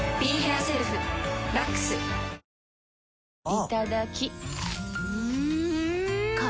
いただきっ！